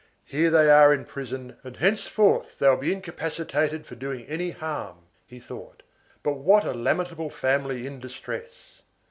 "Here they are in prison, and henceforth they will be incapacitated for doing any harm," he thought, "but what a lamentable family in distress!"